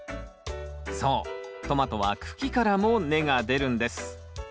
そうトマトは茎からも根が出るんです。